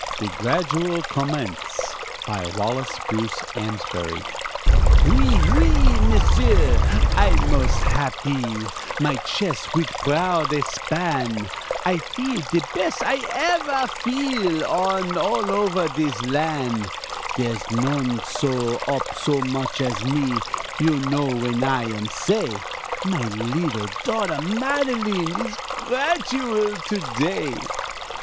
] DE GRADUAL COMMENCE BY WALLACE BRUCE AMSBARY Oui, Oui, M'sieu, I'm mos' happee, My ches' wid proud expan', I feel de bes' I evere feel, An' over all dis lan' Dere's none set op so moch as me; You'll know w'en I am say My leddle daughter Madeline Is gradual to day.